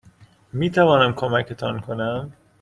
میتوانم کمکتان کنم؟